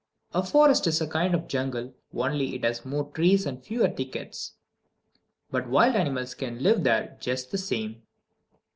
A forest is a kind of jungle, only it has more trees, and fewer thickets; but wild animals can live there just the same.